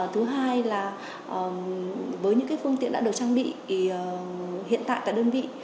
thứ hai là với những phương tiện đã được trang bị hiện tại tại đơn vị